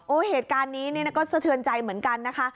เหตุการณ์นี้เนี่ยก็สะเทือนใจเหมือนกันนะคะ